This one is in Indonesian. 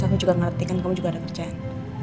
aku juga ngerti kan kamu juga ada kerjaan